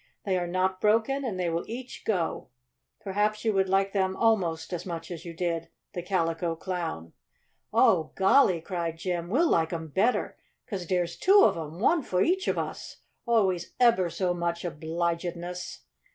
"They are not broken, and they will each go. Perhaps you will like them almost as much as you did the Calico Clown." "Oh, golly!" cried Jim. "We'll like 'em better! 'Cause dere's two of 'em one fo' each of us! Oh, we's eber so much obligedness."